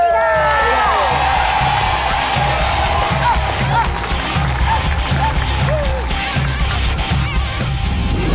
ขอบคุณค่ะ